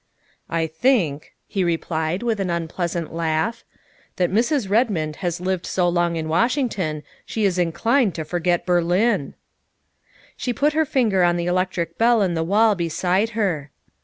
" I think," he replied with an unpleasant laugh, " that Mrs. Redmond has lived so long in Washington she is inclined to forget Berlin." She put her finger on the electric bell in the wall beside her.